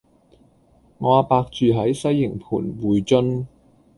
我阿伯住喺西營盤薈臻